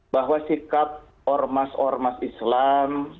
bahwa sikap ormas ormas islam